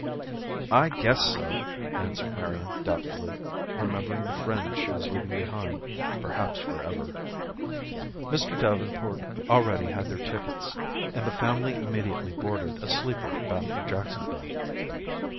"I guess so," answered Marian doubtfully, remembering the friends she was leaving behind, perhaps forever. Mr. Davenport already had their tickets, and the family immediately boarded a sleeper bound for Jacksonville.